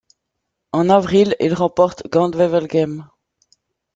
En avril, il remporte Gand-Wevelgem.